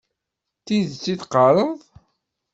D tidet i d-teqqareḍ?